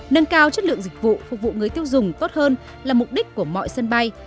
nâng cao chất lượng dịch vụ phục vụ người tiêu dùng tốt hơn là mục đích của mọi sân bay